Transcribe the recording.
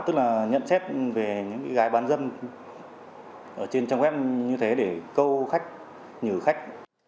tức là nhận xét về những gái bán dân trên trang web như thế để câu khách nhử khách